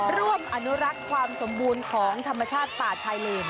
ร่วมอนุรักษ์ความสมบูรณ์ของธรรมชาติป่าชายเลน